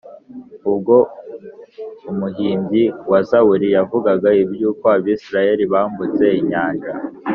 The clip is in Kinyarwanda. ubwo umuhimbyi wa zaburi yavugaga iby’uko abisiraheli bambutse inyanja,